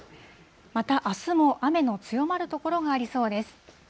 またあすも雨の強まる所がありそうです。